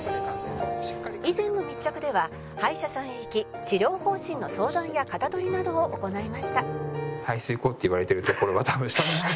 「以前の密着では歯医者さんへ行き治療方針の相談や型取りなどを行いました」